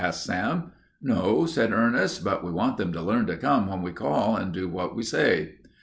asked Sam. "No," said Ernest, "but we want them to learn to come when we call and do what we say."